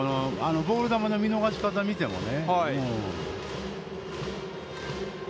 ボール球の見逃し方を見てもね。